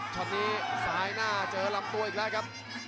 ประโยชน์ทอตอร์จานแสนชัยกับยานิลลาลีนี่ครับ